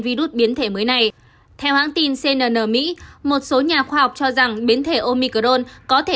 virus biến thể mới này theo hãng tin cnn mỹ một số nhà khoa học cho rằng biến thể omicrone có thể